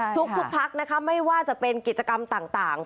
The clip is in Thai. ทุกพักนะคะไม่ว่าจะเป็นกิจกรรมต่าง